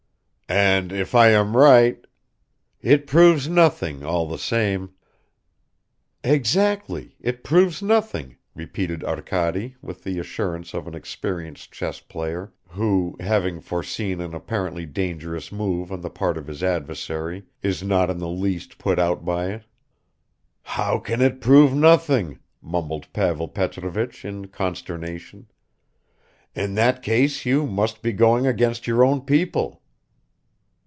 "And if I am right ..." "It proves nothing, all the same." "Exactly, it proves nothing," repeated Arkady with the assurance of an experienced chess player who, having foreseen an apparently dangerous move on the part of his adversary, is not in the least put out by it. "How can it prove nothing?" mumbled Pavel Petrovich in consternation. "In that case you must be going against your own people."